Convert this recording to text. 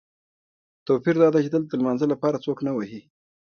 توپیر دادی چې دلته د لمانځه لپاره څوک نه وهي.